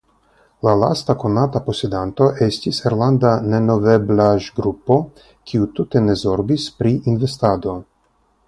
La lasta konata posedanto estis irlanda nemoveblaĵgrupo kiu tute ne zorgis pri investado.